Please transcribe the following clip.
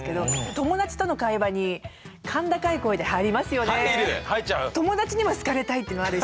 友達にも好かれたいっていうのあるし。